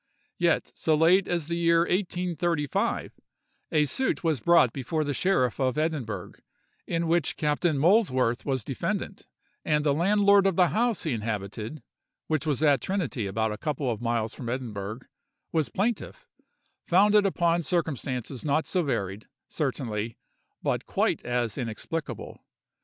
Yet, so late as the year 1835, a suit was brought before the sheriff of Edinburgh, in which Captain Molesworth was defendant, and the landlord of the house he inhabited (which was at Trinity, about a couple of miles from Edinburgh) was plaintiff, founded upon circumstances not so varied, certainly, but quite as inexplicable.